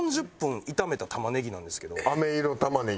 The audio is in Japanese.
あめ色玉ねぎや。